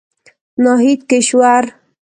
ناهيد کشور